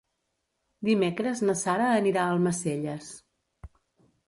Dimecres na Sara anirà a Almacelles.